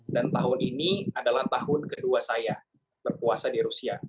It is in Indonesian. dan tahun ini adalah tahun kedua saya berpuasa di rusia